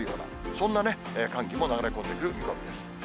そんなね、寒気も流れ込んでくる見込みです。